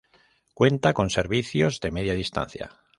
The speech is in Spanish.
Cuenta con servicios de Media Distancia.